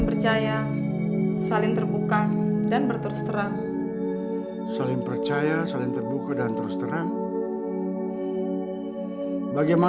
kalau gitu siap siap dong ma